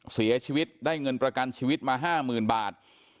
เสียชีวิตได้เงินประกันชีวิตมา๕๐๐๐บาท